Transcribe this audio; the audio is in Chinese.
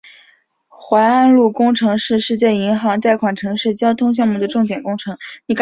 槐安路工程是世界银行贷款城市交通项目的重点工程。